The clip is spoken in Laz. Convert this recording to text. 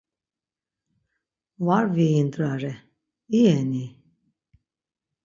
Var viindrare iyen-i?